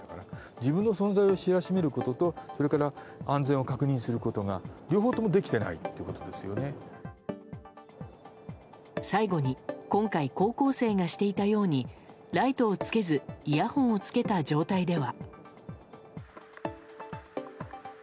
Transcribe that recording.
自分の存在を知らしめることとそれから安全を確認することが最後に、今回高校生がしていたようにライトをつけずイヤホンを着けた状態では。